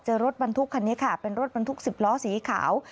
รถบรรทุกคันนี้ค่ะเป็นรถบรรทุก๑๐ล้อสีขาว